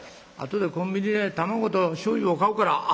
後でコンビニで卵としょうゆを買うから」。